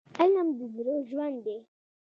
علم د زړه ژوند دی.